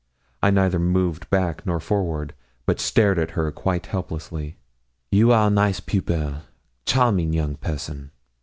I neither moved back nor forward, but stared at her quite helplessly. 'You are nice pupil charming young person!